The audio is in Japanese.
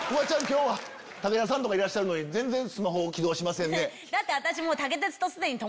今日は武田さんとかいらっしゃるのに全然スマホを起動しませんね。